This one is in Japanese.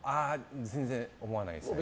全然思わないですね。